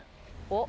お。